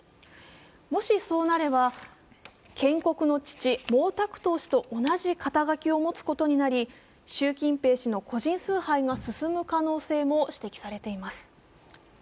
もしそうなれば建国の父毛沢東氏と同じ肩書を持つことになり、習近平氏の個人崇拝が進む可能性も指摘されています。